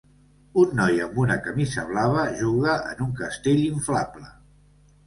Un noi amb una camisa blava juga en un castell inflable